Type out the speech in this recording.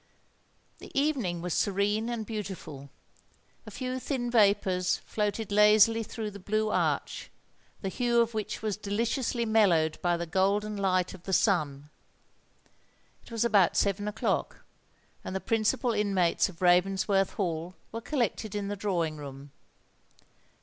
The evening was serene and beautiful. A few thin vapours floated lazily through the blue arch, the hue of which was deliciously mellowed by the golden light of the sun. It was about seven o'clock; and the principal inmates of Ravensworth Hall were collected in the drawing room.